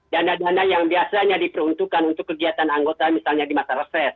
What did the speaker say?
dana dana yang biasanya diperuntukkan untuk kegiatan anggota misalnya di masa reses